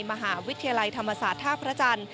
มหาวิทยาลัยธรรมศาสตร์ท่าพระจันทร์